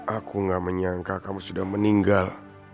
aku gak menyangka kamu sudah meninggal